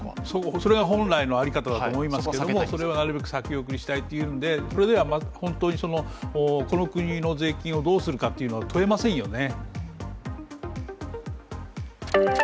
それが本来の在り方だと思いますけどそれはできるだけ先送りにしたいっていうんでそれでは本当にこの国の税金をどうするのか問えませんよね。